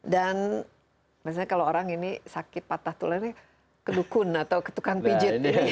dan biasanya kalau orang ini sakit patah tulangnya kedukun atau ketukan pijit